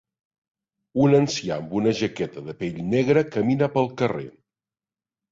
Un ancià amb una jaqueta de pell negra camina pel carrer.